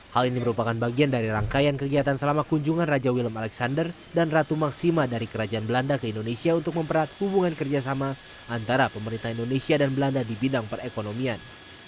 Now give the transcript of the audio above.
hal ini merupakan bagian dari rangkaian kegiatan selama kunjungan raja willem alexander dan ratu maksima dari kerajaan belanda ke indonesia untuk memperat hubungan kerjasama antara pemerintah indonesia dan belanda di bidang perekonomian